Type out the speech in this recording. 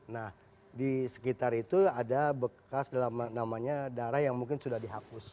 nah di sekitar itu ada bekas dalam namanya darah yang mungkin sudah dihapus